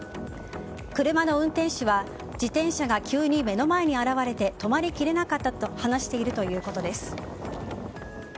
車の運転手は自転車が急に目の前に現れて止まり切れなかったと話しているということです。